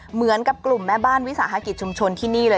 เหมือนกับกลุ่มแม่บ้านวิสาหกิจชุมชนที่นี่เลย